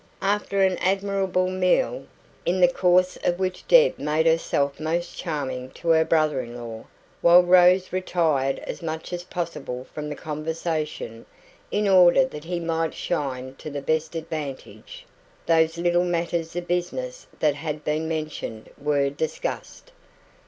After an admirable meal in the course of which Deb made herself most charming to her brother in law, while Rose retired as much as possible from the conversation, in order that he might shine to the best advantage those little matters of business that had been mentioned were discussed.